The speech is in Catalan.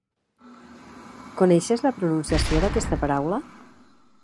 Coneixes la pronunciació d'aquesta paraula?